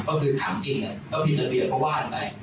ก็คือถามจริงถ้าผิดสะเบียบเขาว่าอะไร